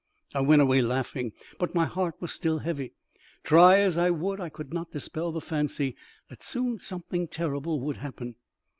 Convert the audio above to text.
I went away laughing, but my heart was still heavy. Try as I would, I could not dispel the fancy that soon something terrible would happen.